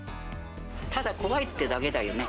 ただ怖いってだけだよね。